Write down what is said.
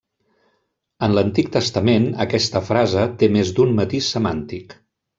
En l'Antic Testament, aquesta frase té més d'un matís semàntic.